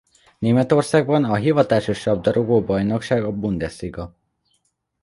Németországban a hivatásos labdarúgó bajnokság a Bundesliga.